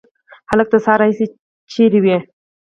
هلکه د سهار راهیسي چیري وې؟